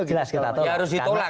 ya harus ditolak